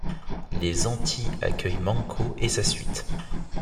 Les Anti accueillent Manco et sa suite.